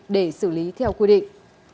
để xử lý theo quy định